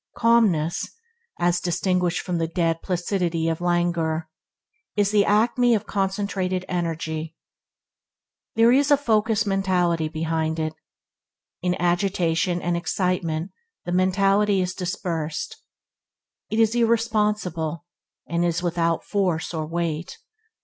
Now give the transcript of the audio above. Calmness, as distinguished from the dead placidity of languor, is the acme of concentrated energy. There is a focused mentality behind it. in agitation and excitement the mentality is dispersed. It is irresponsible, and is without force or weight.